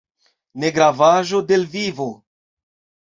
Negravaĵo de l' vivo.